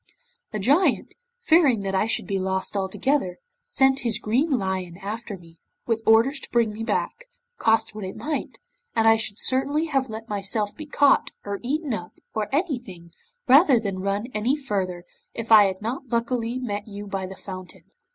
The Giant, fearing that I should be lost altogether, sent his green lion after me, with orders to bring me back, cost what it might, and I should certainly have let myself be caught, or eaten up, or anything, rather than run any further, if I had not luckily met you by the fountain.